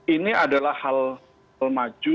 ini adalah hal maju